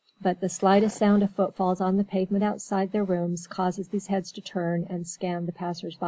But the slightest sound of footfalls on the pavement outside their rooms causes these heads to turn and scan the passers.